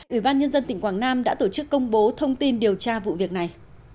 ủy ban nhân dân tỉnh quảng nam đã tổ chức công bố thông tin điều tra vụ việc này